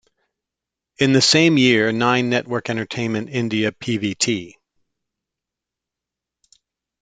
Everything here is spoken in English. In the same year, 'Nine Network Entertainment India Pvt.